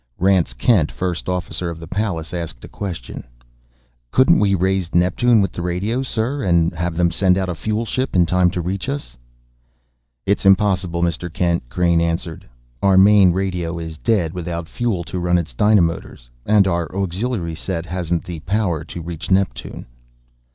Rance Kent, first officer of the Pallas, asked a question: "Couldn't we, raise Neptune with the radio, sir, and have them send out a fuel ship in time to reach us?" "It's impossible, Mr. Kent," Crain answered. "Our main radio is dead without fuel to run its dynamotors, and our auxiliary set hasn't the power to reach Neptune."